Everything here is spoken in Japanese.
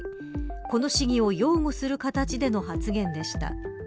この市議を擁護する形での発言でした。